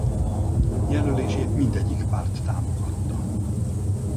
Jelölését mindegyik párt támogatta.